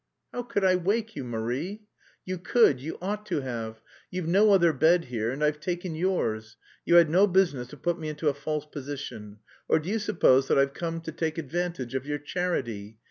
"How could I wake you, Marie?" "You could, you ought to have! You've no other bed here, and I've taken yours. You had no business to put me into a false position. Or do you suppose that I've come to take advantage of your charity?